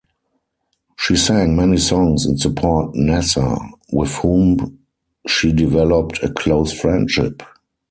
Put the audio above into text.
She sang many songs in support Nasser, with whom she developed a close friendship.